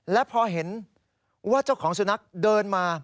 และพอเห็นว่าเจ้าของสุนัขเดินมา